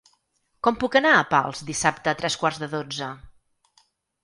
Com puc anar a Pals dissabte a tres quarts de dotze?